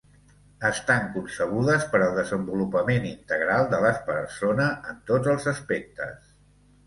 Estan concebudes per al desenvolupament integral de la persona en tots els aspectes.